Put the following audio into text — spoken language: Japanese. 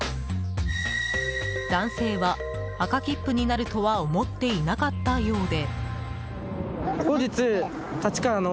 男性は赤切符になるとは思っていなかったようで。